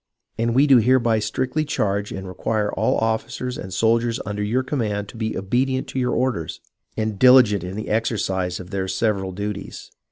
And we do hereby strictly charge and require all officers and soldiers under your command to be obedient to your orders, and diligent in the exer cise of their several duties.